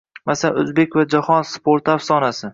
Masalan, o‘zbek va jahon sporti afsonasi.